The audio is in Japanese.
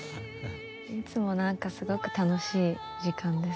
いつも何かすごく楽しい時間です。